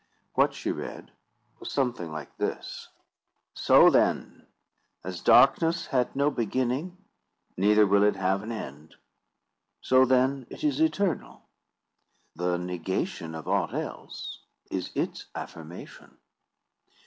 What she read was something like this: "So, then, as darkness had no beginning, neither will it ever have an end. So, then, is it eternal. The negation of aught else, is its affirmation.